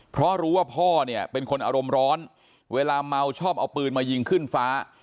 เพราะรู้ว่าพ่อเนี่ยเป็นคนอารมณ์ร้อนเวลาเมาชอบเอาปืนมายิงขึ้นฟ้า